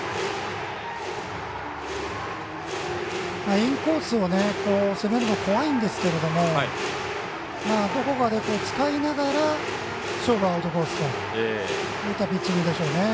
インコースを攻めるのは怖いんですけどどこかで使いながら勝負はアウトコースといったピッチングでしょうね。